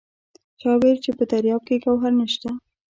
چا وایل چې په دریاب کې ګوهر نشته!